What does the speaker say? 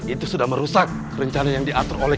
itu sudah merusak rencana yang diatur oleh